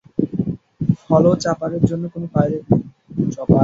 Follow চপারের জন্য কোন পাইলট নেই।